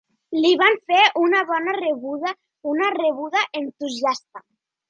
Li van fer una bona rebuda, una rebuda entusiasta.